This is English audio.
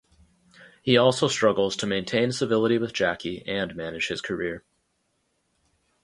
He also struggles to maintain civility with Jackie and manage his career.